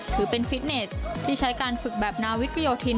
ถือเป็นฟิตเนสที่ใช้การฝึกแบบนาวิกโยธิน